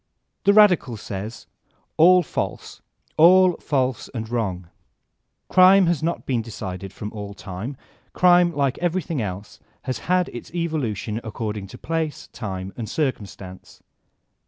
Xhe radical says : All false, all false and wrong. Crime has not been decided from all time : crime, like everything else, has had its evolution according to place, time, and circumstance.